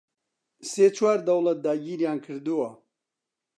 سێ چوار دەوڵەت داگیریان کردووە